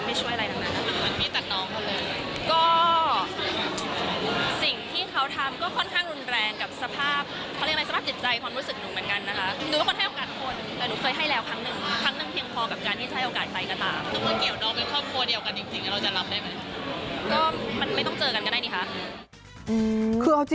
ไม่ช่วยอะไร